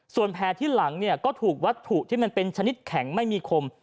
ส่วนแผลที่หลังเนี่ยก็ถูกวัตถุที่มันเป็นชนิดแข็งไม่มีคม